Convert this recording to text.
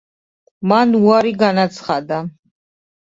მან უარი განაცხადა.